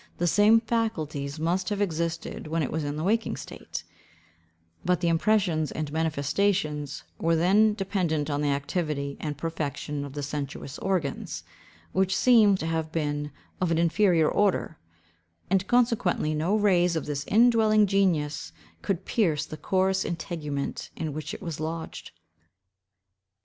The same faculties must have existed when it was in a waking state, but the impressions and manifestations were then dependent on the activity and perfection of the sensuous organs, which seem to have been of an inferior order; and consequently, no rays of this in dwelling genius could pierce the coarse integument in which it was lodged.